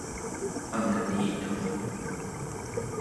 angniituq